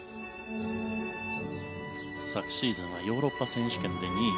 昨シーズンはヨーロッパ選手権で２位。